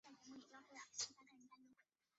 毛氏远环蚓为巨蚓科远环蚓属下的一个种。